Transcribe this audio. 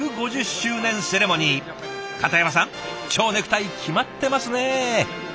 片山さんちょうネクタイ決まってますね！